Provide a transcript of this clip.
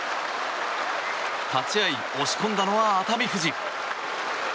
立ち合い押し込んだのは熱海富士。